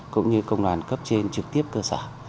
cũng như công đoàn cấp trên trực tiếp cơ sở